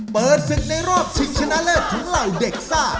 เปิดศึกในรอบชิงชนะเลิศของเหล่าเด็กซ่า